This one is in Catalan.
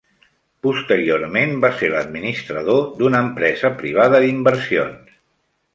Posteriorment va ser l'administrador d'una empresa privada d'inversions.